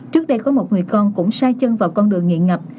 trước đây có một người con cũng sai chân vào con đường nghiện ngập